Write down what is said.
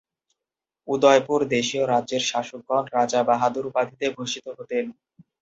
উদয়পুর দেশীয় রাজ্যের শাসকগণ রাজা বাহাদুর উপাধিতে ভূষিত হতেন।